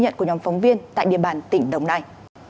tại địa bàn tỉnh đồng nai